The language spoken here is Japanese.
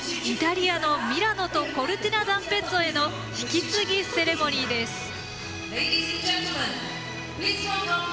イタリアのミラノとコルティナダンペッツォへの引き継ぎセレモニーです。